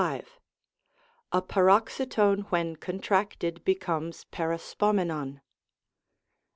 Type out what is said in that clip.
V. A paroxytone when contracted becomes peri spomenon.